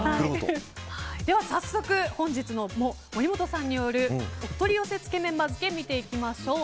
早速本日、森本さんによりお取り寄せつけ麺番付見ていきましょう。